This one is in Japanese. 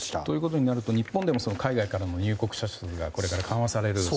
となると日本でも海外からの入国者数がこれから緩和される。